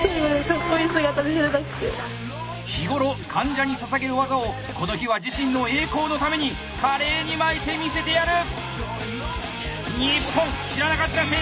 日頃患者にささげる技をこの日は自身の栄光のために華麗に巻いてみせてやる！